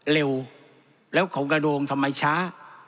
เร็วแล้วของกระโดงทำไมช้า